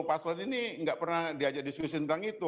paslon ini nggak pernah diajak diskusi tentang itu